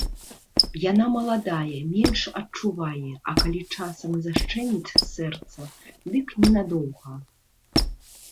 Яна маладая, менш адчувае, а калі часам і зашчыміць сэрца, дык ненадоўга.